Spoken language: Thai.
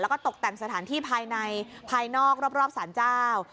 แล้วก็ตกแต่งสถานที่ภายในภายนอกรอบสารเจ้า